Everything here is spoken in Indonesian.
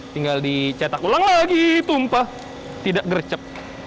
tinggal dicetak ulang lagi tumpah tidak gercep